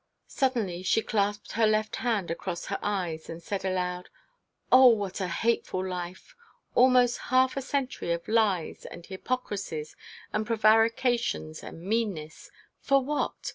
Suddenly she clasped her left hand across her eyes, and said aloud 'Oh, what a hateful life! Almost half a century of lies and hypocricies and prevarications and meannesses! For what?